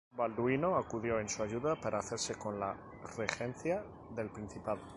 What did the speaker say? Balduino acudió en su ayuda para hacerse con la regencia del principado.